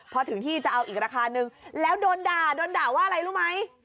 พอถึงที่จะเอาอีกราคานึงแล้วโดนด่าโดนด่าว่าอะไรรู้ไหม